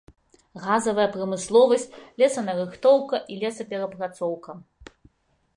Газавая прамысловасць, лесанарыхтоўка і лесаперапрацоўка.